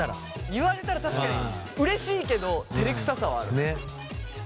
言われたら確かにうれしいけど照れくささはあるね。